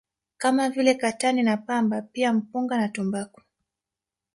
kama vile Katani na Pamba pia Mpunga na tumbaku